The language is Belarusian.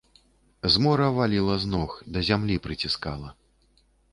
Змора валіла з ног, да зямлі прыціскала.